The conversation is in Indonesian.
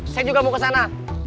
saya juga mau kesana